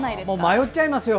迷っちゃいますよ。